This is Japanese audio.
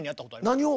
何を？